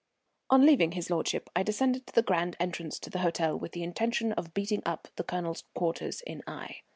On leaving his lordship I descended to the grand entrance to the hotel with the intention of beating up the Colonel's quarters in Aix.